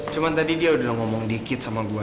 cuma tadi dia udah ngomong dikit sama gue